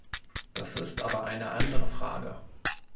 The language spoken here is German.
Das ist aber eine andere Frage.